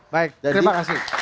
baik terima kasih